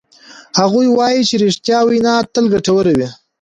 هغوی وایي چې ریښتیا وینا تل ګټوره وی